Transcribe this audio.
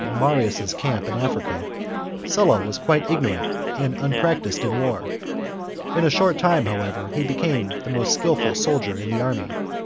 XCVI in Marius' camp in Africa, Sulla was quite ignorant and unpractised in war. In a short time, however, he 228 THE JUGURTHINE WAR. CHAP, became the most skilful soldier in the army.